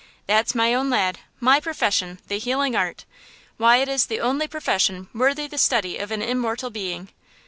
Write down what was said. "That's my own lad! My profession! the healing art! Why, it is the only profession worthy the study of an immortal being!